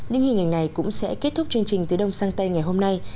những hình ảnh này cũng sẽ kết thúc chương trình từ đông sang tây ngày hôm nay